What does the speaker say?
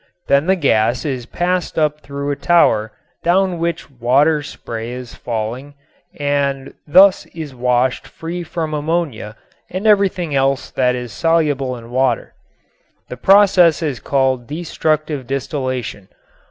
Then the gas is passed up through a tower down which water spray is falling and thus is washed free from ammonia and everything else that is soluble in water. This process is called "destructive distillation."